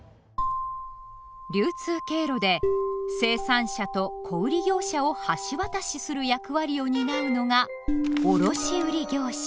流通経路で生産者と小売業者を橋渡しする役割を担うのが「卸売業者」。